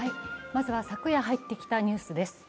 まずは昨夜入ってきたニュースです。